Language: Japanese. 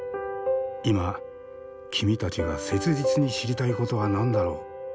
今君たちが切実に知りたいことは何だろう？